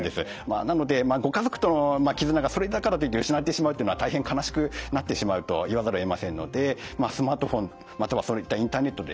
なのでご家族との絆がそれだからといって失われてしまうっていうのは大変悲しくなってしまうと言わざるをえませんのでスマートフォンまたはそういったインターネットですね